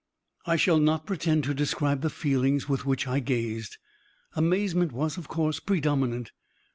I shall not pretend to describe the feelings with which I gazed. Amazement was, of course, predominant.